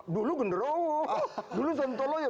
dulu genduruhu dulu suntuluyuh